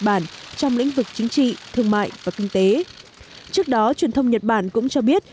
bản trong lĩnh vực chính trị thương mại và kinh tế trước đó truyền thông nhật bản cũng cho biết